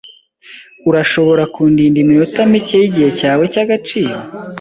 Urashobora kundinda iminota mike yigihe cyawe cyagaciro?